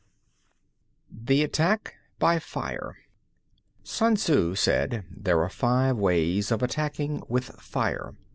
XII. THE ATTACK BY FIRE 1. Sun Tzŭ said: There are five ways of attacking with fire.